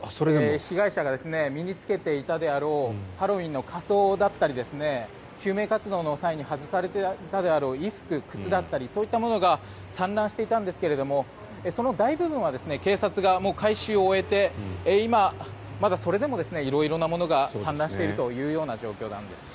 被害者が身に着けていたであろうハロウィーンの仮装だったり救命活動の際に外されたであろう衣服、靴だったりそういったものが散乱していたんですがその大部分は警察が回収を終えて今、まだそれでも色々なものが散乱しているという状況なんです。